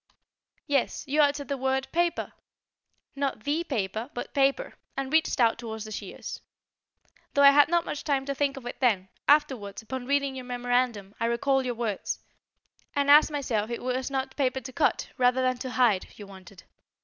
"Yes, you uttered the word 'paper!' not the paper, but 'paper!' and reached out towards the shears. Though I had not much time to think of it then, afterwards upon reading your memorandum I recalled your words, and asked myself if it was not paper to cut, rather than to hide, you wanted.